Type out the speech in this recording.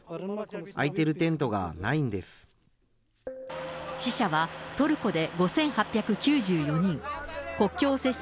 空いているテントがないんです。